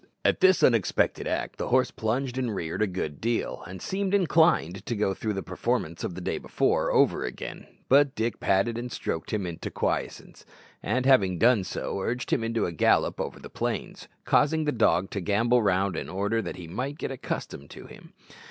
At this unexpected act the horse plunged and reared a good deal, and seemed inclined to go through the performance of the day before over again; but Dick patted and stroked him into quiescence, and having done so, urged him into a gallop over the plains, causing the dog to gambol round in order that he might get accustomed to him.